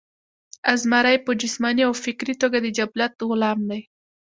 ازمرے پۀ جسماني او فکري توګه د جبلت غلام دے